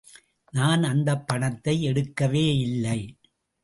நான் அந்த பணத்தை எடுக்கவே இல்லை.